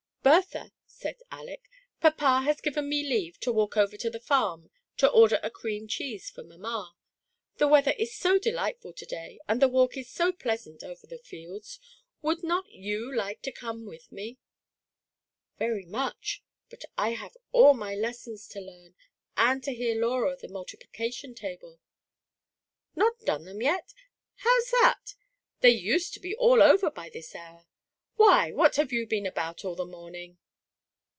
" Bertha," said Aleck, " papa has given me leave to walk over to the farm to order a cream cheese for mamma. The weather is so delightful to day, and the walk is so pleasant over the fields, would not you like to come with me ?" "Very much ; but I have all my lessons to learn, and to hear Laura the multiplication table." " Not done them yet — Show's that ! they used to be all over by this hour. Why, what have you been about all the morning?"